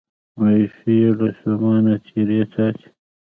مایوسي یې له ستومانه څیرې څاڅي